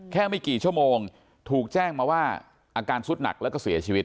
ไม่กี่ชั่วโมงถูกแจ้งมาว่าอาการสุดหนักแล้วก็เสียชีวิต